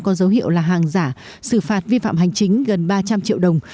có dấu hiệu là hàng giả xử phạt vi phạm hành chính gần ba trăm linh triệu đồng